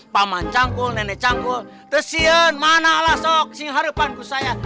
pak man canggul nenek canggul tersian mana lah sok si harapan saya